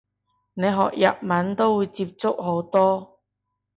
你學日文都會接觸好多